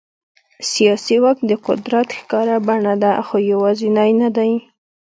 سیاسي واک د قدرت ښکاره بڼه ده، خو یوازینی نه دی.